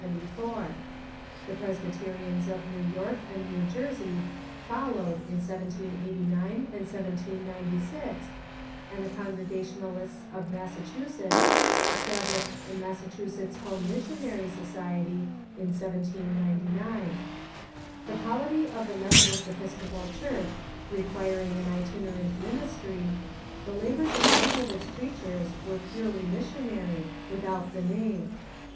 Tbe Presbyterians of New York and New Jersey followed in 1789 and 1796, and the Congregationalists of Massachusetts established the Mas sachusetts Home Missionary Society in 1799. The polity of the Methodist Episcopal Church requiring an itinerant min istry, the labors of many of its preachers were purely mis sionary, without the name.